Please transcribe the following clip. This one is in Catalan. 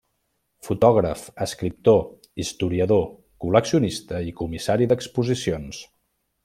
Fotògraf, escriptor, historiador, col·leccionista i comissari d'exposicions.